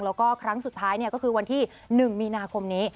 แล้วก็ครั้งสุดท้ายก็คือวันที่๑มีนาคมนี้